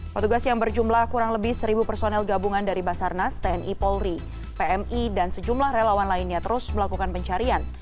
petugas yang berjumlah kurang lebih seribu personel gabungan dari basarnas tni polri pmi dan sejumlah relawan lainnya terus melakukan pencarian